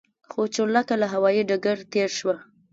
خو چورلکه له هوايي ډګر تېره شوه.